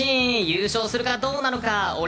優勝するか、どうなのか。